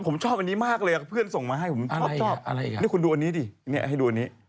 ผมชอบอันนี้มากเลยเพื่อนส่งมาให้ผมชอบนี่คุณดูอันนี้ดิเนี่ยให้ดูอันนี้